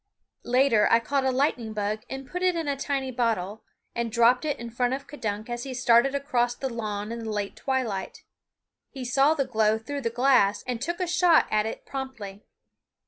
Later I caught a lightning bug and put it in a tiny bottle, and dropped it in front of K'dunk as he started across the lawn in the late twilight. He saw the glow through the glass and took a shot at it promptly.